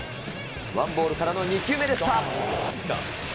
ワンボールからの２球目でした。